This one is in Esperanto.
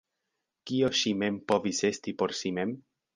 Kio ŝi mem povis esti por si mem?